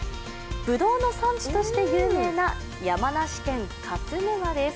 ぶどうの産地として有名な山梨県勝沼です。